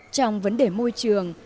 trong vấn đề môi trường